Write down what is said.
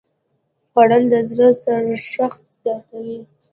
خوړل د زړه سړښت زیاتوي